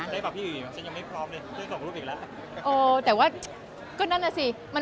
ใช่ป่ะพี่อีบีฉันยังไม่พร้อมเลยต้องส่งรูปอีกแล้ว